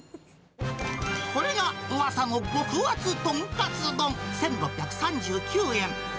これが、うわさの極厚とんかつ丼１６３９円。